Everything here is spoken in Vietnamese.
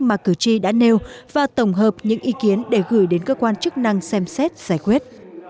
mà cử tri đã nêu và tổng hợp những ý kiến để gửi đến cơ quan chức năng xem xét giải quyết